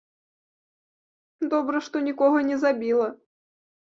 Добра, што нікога не забіла!